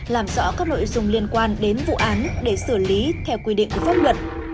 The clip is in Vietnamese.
làm rõ các nội dung liên quan đến vụ án để xử lý theo quy định của pháp luật